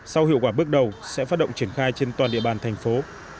sau hiệu quả bước đầu sẽ phát động triển khai trên toàn địa bàn thành phố